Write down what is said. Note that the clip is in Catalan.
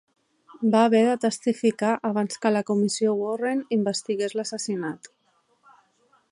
Va haver de testificar abans que la Comissió Warren investigués l'assassinat.